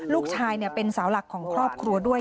ลูกชายเป็นสาวหลักของครอบครัวด้วย